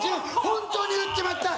本当に撃っちまった！